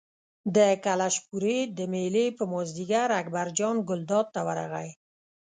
د کلشپورې د مېلې په مازدیګر اکبرجان ګلداد ته ورغی.